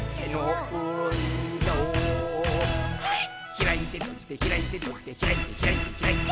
「ひらいてとじてひらいてとじてひらいてひらいてひらいて」